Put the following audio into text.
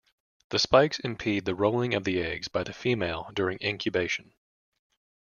The spikes impede the rolling of the eggs by the female during incubation.